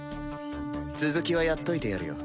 続きはやっといてやるよ。